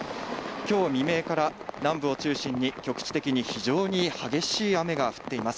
きょう未明から南部を中心に、局地的に非常に激しい雨が降っています。